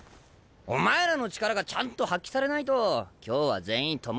お前らの力がちゃんと発揮されないと今日は全員共倒れだ。